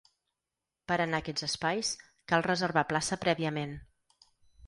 Per a anar a aquests espais, cal reservar plaça prèviament.